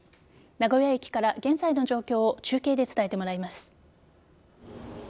名古屋駅から現在の状況を中継で伝えてもらいます。